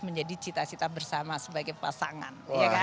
menjadi cita cita bersama sebagai pasangan